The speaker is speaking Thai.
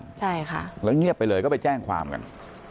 ใช่ค่ะแล้วเงียบไปเลยก็ไปแจ้งความกัน